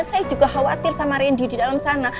saya juga khawatir sama randy di dalam sana